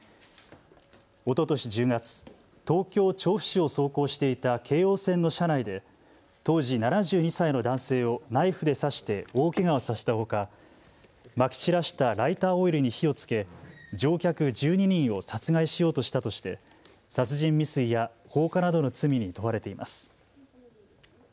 おととし１０月、東京調布市を走行していた京王線の車内で当時７２歳の男性をナイフで刺して大けがをさせたほかまき散らしたライターオイルに火をつけ乗客１２人を殺害しようとしたとして殺人未遂や放火などの罪に問われています。